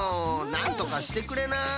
なんとかしてくれない？